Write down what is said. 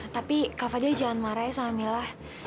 tapi kak fadil jangan marah ya sama mila